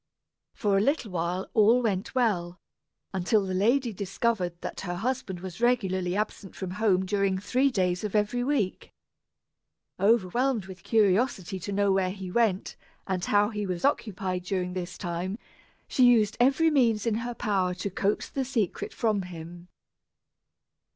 For a little while all went well, until the lady discovered that her husband was regularly absent from home during three days of every week. Overwhelmed with curiosity to know where he went, and how he was occupied during this time, she used every means in her power to coax the secret from him.